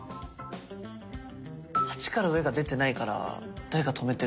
８から上が出てないから誰か止めてる。